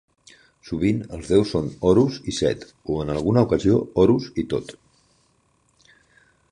Sovint els deus són Horus i Set, o en alguna ocasió Horus i Thoth.